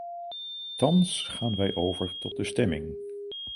Thans gaan wij over tot de stemming.